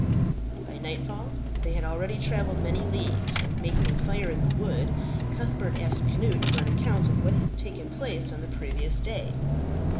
By nightfall they had already travelled many leagues, and making a fire in the wood, Cuthbert asked Cnut for an account of what had taken place on the previous day.